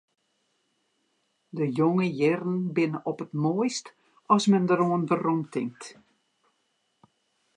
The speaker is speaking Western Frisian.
De jonge jierren binne op it moaist as men deroan weromtinkt.